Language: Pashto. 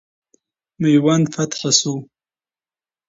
میوند فتح سو.